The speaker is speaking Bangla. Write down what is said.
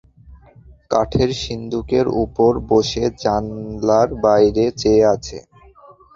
কাঠের সিন্দুকের উপর বসে জানলার বাইরে চেয়ে আছে।